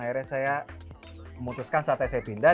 akhirnya saya memutuskan saatnya saya pindah